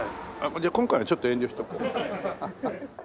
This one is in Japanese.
じゃあ今回はちょっと遠慮しとこう。